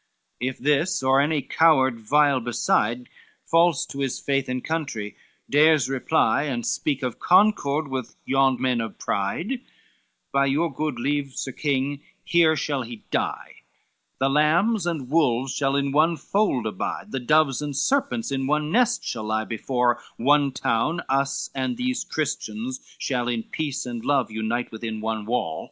LI "If this, or any coward vile beside, False to his faith and country, dares reply; And speak of concord with yon men of pride, By your good leave, Sir King, here shall he die, The lambs and wolves shall in one fold abide, The doves and serpents in one nest shall lie, Before one town us and these Christians shall In peace and love unite within one wall."